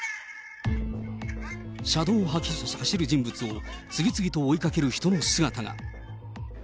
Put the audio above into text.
車道を走る人物を、次々と追いかける人の姿が。